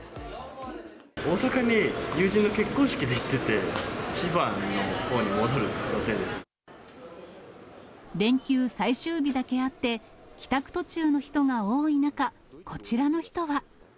大阪に友人の結婚式で行って連休最終日だけあって、帰宅途中の人が多い中、こちらの人は。